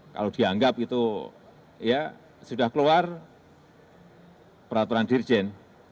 kalau dianggap itu ya sudah keluar peraturan dirjen